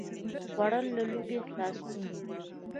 خوړل له لوږې خلاصون دی